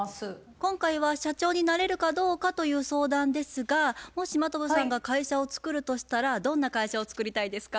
今回は社長になれるかどうかという相談ですがもし真飛さんが会社を作るとしたらどんな会社を作りたいですか？